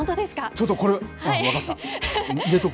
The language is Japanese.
ちょっとこれ、分かった、入れとく。